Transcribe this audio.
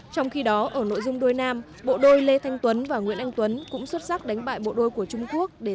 trong khi đó ở nội dung đôi nam bộ đôi lê thanh tuấn và nguyễn anh tuấn cũng xuất sắc đánh bại bộ đôi của trung quốc